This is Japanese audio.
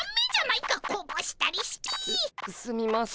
すすみません。